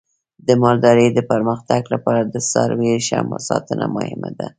د مالدارۍ د پرمختګ لپاره د څارویو ښه ساتنه مهمه ده.